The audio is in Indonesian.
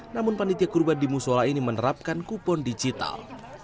namun panitia kurban di musola ini menerapkan kupon digital